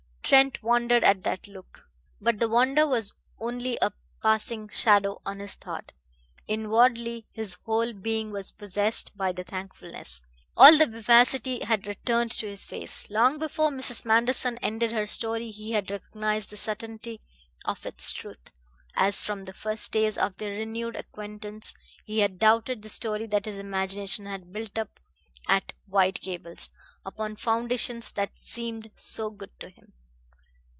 Trent wondered at that look. But the wonder was only a passing shadow on his thought. Inwardly his whole being was possessed by thankfulness. All the vivacity had returned to his face. Long before Mrs. Manderson ended her story he had recognized the certainty of its truth, as from the first days of their renewed acquaintance he had doubted the story that his imagination had built up at White Gables, upon foundations that seemed so good to him.